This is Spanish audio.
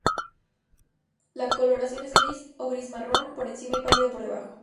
La coloración es gris o gris-marrón por encima y pálido por debajo.